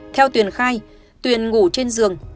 theo tuyền khai tuyền ngủ trên giường